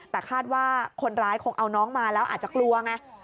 แต่คาดว่าคนร้ายคงเอาน้องมาแล้วอาจจะกลัวไง